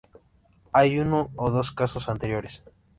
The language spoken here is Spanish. Hay uno o dos casos anteriores.